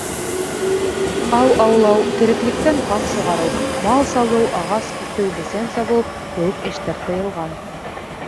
Ау аулау, тереклектән ҡан сығарыу — мал салыу, ағас киҫеү, бесән сабыу — кеүек эштәр тыйылған.